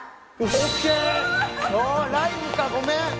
ライムかごめん